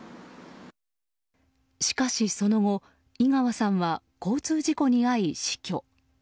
しかし、その後井川さんは交通事故に遭い死去。